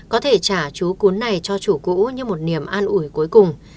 có thể trả chú cuốn này cho chủ cũ như một niềm an ủi cuối cùng